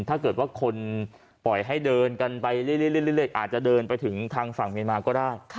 ถ้ามาคนดีอาจจะเดินไปถึงทางฝั่งเมียนมาก็ได้